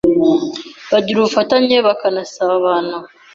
bagira ubufatanye bakanasabana;